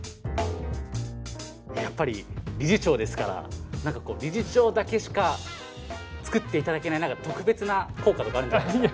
やっぱり理事長ですから何かこう理事長だけしか造って頂けない特別な硬貨とかあるんじゃないですか？